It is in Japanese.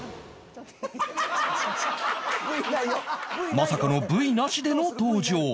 まさかの Ｖ なしでの登場